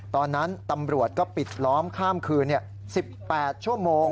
ตอนนั้นตำรวจก็ปิดล้อมข้ามคืน๑๘ชั่วโมง